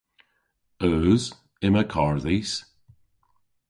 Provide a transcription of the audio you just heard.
Eus. Yma karr dhis.